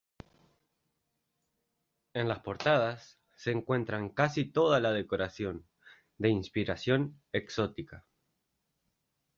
En las portadas se encuentra casi toda la decoración, de inspiración exótica.